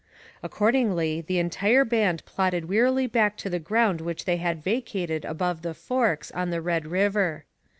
Accordingly the entire band plodded wearily back to the ground which they had vacated above 'the Forks' on the Red River.